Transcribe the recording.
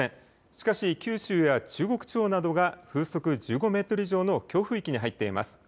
しかし九州や中国地方などが風速１５メートル以上の強風域に入っています。